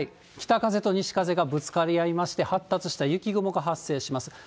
北風と西風がぶつかり合いまして、発達した雪雲が発生します。